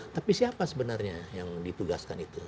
tapi siapa sebenarnya yang ditugaskan itu